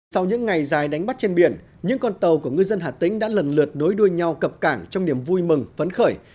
sau những ngày dài đánh bắt trên biển những con tàu của ngư dân hà tĩnh đã lần lượt nối đuôi nhau cập cảng trong niềm vui mừng phấn khởi